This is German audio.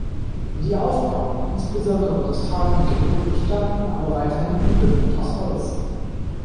Die Aufbauten, insbesondere das tragenden Gerippe, bestanden aber weiterhin überwiegend aus Holz.